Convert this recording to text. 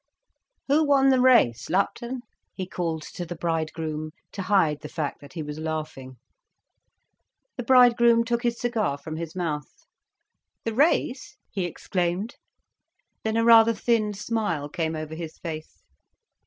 "Who won the race, Lupton?" he called to the bridegroom, to hide the fact that he was laughing. The bridegroom took his cigar from his mouth. "The race?" he exclaimed. Then a rather thin smile came over his face.